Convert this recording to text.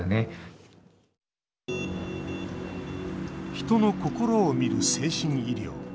人の心を診る精神医療。